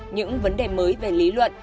những vấn đề mới về lý luận